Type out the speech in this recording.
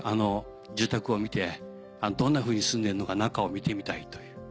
住宅を見てどんなふうに住んでるのか中を見てみたいという。